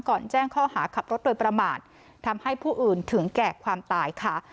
แจ้งข้อหาขับรถโดยประมาททำให้ผู้อื่นถึงแก่ความตายค่ะ